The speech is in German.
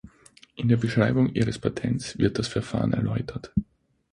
In der Beschreibung ihres Patents wird das Verfahren erläutert.